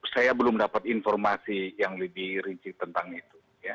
saya belum dapat informasi yang lebih rinci tentang itu